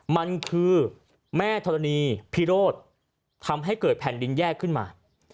มันคือแม่ธรณีพิโรธทำให้เกิดแผ่นดินแยกขึ้นมา